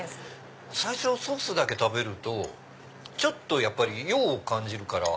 最初ソースだけ食べるとちょっと洋を感じるから。